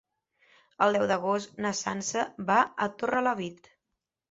El deu d'agost na Sança va a Torrelavit.